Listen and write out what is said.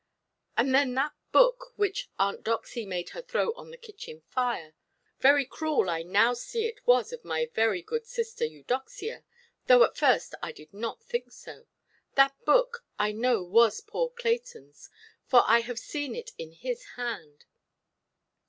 And then that book which Aunt Doxy made her throw on the kitchen fire—very cruel I now see it was of my good sister Eudoxia, though at first I did not think so—that book I know was poor Claytonʼs, for I have seen it in his hand.